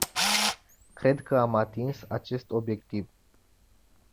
Cred că am atins acest obiectiv.